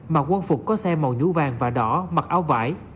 mặc quân phục có xe màu nhũ vàng và đỏ mặc áo vải